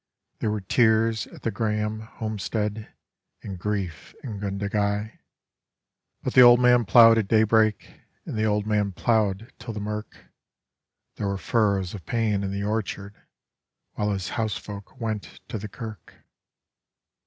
There were tears at the Grahame homestead and grief in Gundagai; But the old man ploughed at daybreak and the old man ploughed till the mirk There were furrows of pain in the orchard while his housefolk went to the kirk.